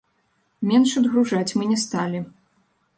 Менш адгружаць мы не сталі.